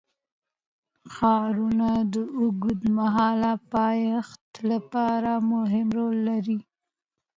ښارونه د اوږدمهاله پایښت لپاره مهم رول لري.